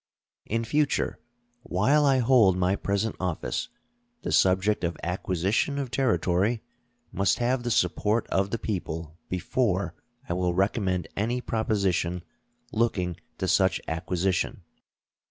In future, while I hold my present office, the subject of acquisition of territory must have the support of the people before I will recommend any proposition looking to such acquisition.